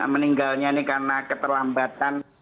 meninggalnya ini karena keterlambatan